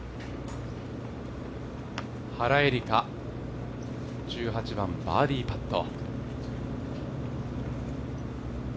原英莉花、１８番、バーディーパット。